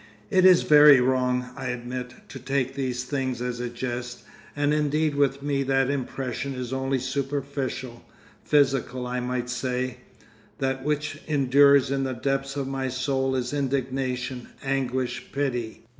It is very wrong, I admit, to take these things as a jest, and indeed with me that impression is only superficial, physical, I might say; that which endures in the depth of my soul is indignation, anguish, pity.